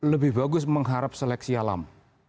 lebih bagus mengharap seleksi alam